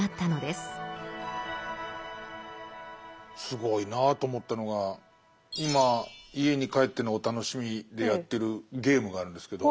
すごいなと思ったのが今家に帰ってのお楽しみでやってるゲームがあるんですけど。